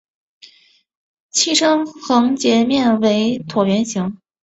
器身横截面为椭圆形。